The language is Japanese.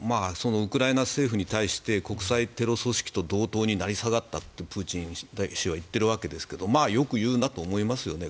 ウクライナ政府に対して国際テロ組織と同等に成り下がったとプーチン氏は言っているわけですがよく言うなと思いますよね。